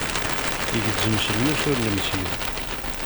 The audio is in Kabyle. Igezzem s lmus ur nemsid.